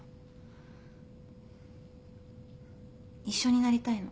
一緒になりたいの。